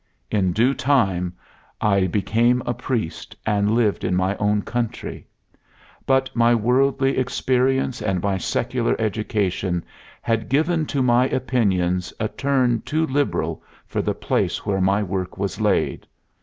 In due time I became a priest and lived in my own country. But my worldly experience and my secular education had given to my opinions a turn too liberal for the place where my work was laid.